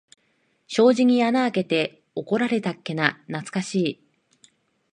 障子に穴あけて怒られたっけな、なつかしい。